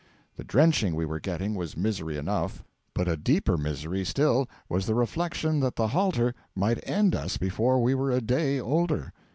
The drenching we were getting was misery enough, but a deeper misery still was the reflection that the halter might end us before we were a day older.